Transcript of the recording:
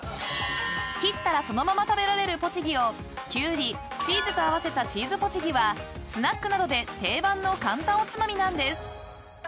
［ポチギをキュウリチーズと合わせたチーズポチギはスナックなどで定番の簡単おつまみなんです］